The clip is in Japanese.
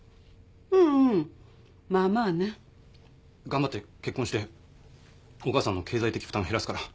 頑張って結婚してお母さんの経済的負担を減らすから。